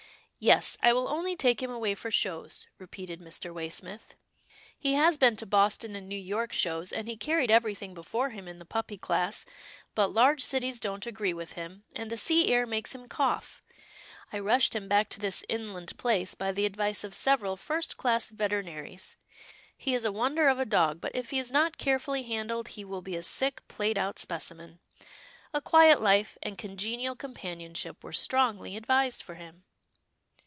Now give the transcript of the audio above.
" Yes, I will only take him away for shows," repeated Mr. Waysmith. " He has been to Boston and New York shows, and he carried everything before him in the puppy class, but large cities don't agree with him, and the sea air makes him cough. I rushed him back to this inland place, by the advice of several first class veterinaries. He is a wonder of a dog, but if he is not carefully handled, he will be a sick, played out specimen. A quiet life, and congenial companionship were strongly advised for him."